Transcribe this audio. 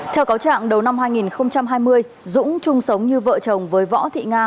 theo cáo trạng đầu năm hai nghìn hai mươi dũng chung sống như vợ chồng với võ thị nga